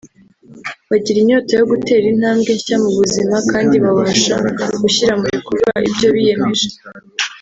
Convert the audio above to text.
bagira inyota yo gutera intambwe nshya mu buzima kandi babasha gushyira mu bikorwa ibyo biyemeje